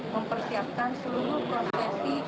mempersiapkan seluruh prosesi